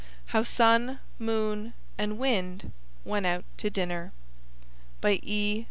HOW SUN, MOON AND WIND WENT OUT TO DINNER By E.